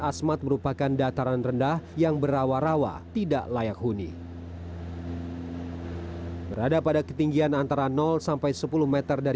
asmat merupakan dataran rendah yang berawarawa tidak layak huni berada pada ketinggian antara sepuluh